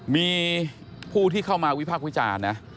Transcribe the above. มีผู้ที่เข้ามาวิพากษ์วิจารณ์นะ